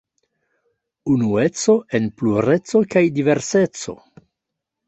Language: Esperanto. Unueco en plureco kaj diverseco.